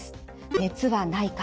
熱はないか